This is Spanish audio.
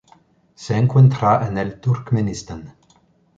Se encuentra en el Turkmenistán.